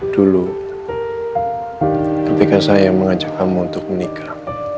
dulu ketika saya mengajak kamu untuk menikah